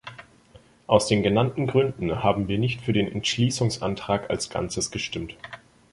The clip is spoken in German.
Aus den genannten Gründen haben wir nicht für den Entschließungsantrag als Ganzes gestimmt.